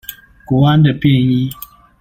國安的便衣